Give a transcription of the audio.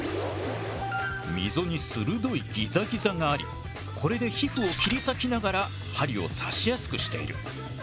溝に鋭いギザギザがありこれで皮膚を切り裂きながら針を刺しやすくしている。